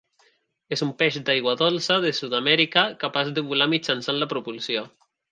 És un peix d'aigua dolça de Sud-amèrica capaç de volar mitjançant la propulsió.